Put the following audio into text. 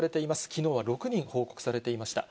きのうは６人報告されていました。